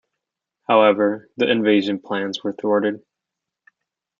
However, the invasion plans were thwarted.